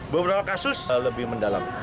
beberapa kasus lebih mendalam